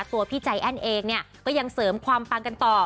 ตัวพี่ใจแอ้นเองเนี่ยก็ยังเสริมความปังกันต่อ